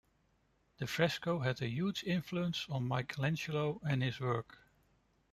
The fresco had a huge influence on Michelangelo and his work.